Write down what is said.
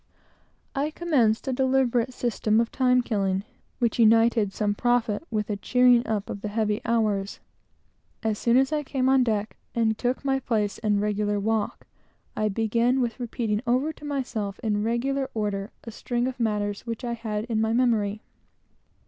I commenced a deliberate system of time killing, which united some profit with a cheering up of the heavy hours. As soon as I came on deck, and took my place and regular walk, I began with repeating over to myself a string of matters which I had in my memory, in regular order.